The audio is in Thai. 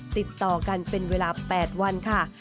ติดต่อกันเป็นเวลา๘วันค่ะ